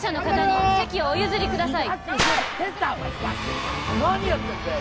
お席をお譲りください